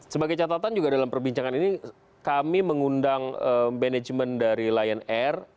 sebagai catatan juga dalam perbincangan ini kami mengundang manajemen dari lion air